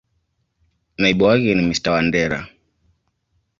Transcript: Naibu wake ni Mr.Wandera.